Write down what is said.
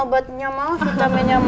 obatnya mau vitaminnya mau